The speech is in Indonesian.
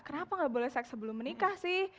kenapa nggak boleh seks sebelum menikah sih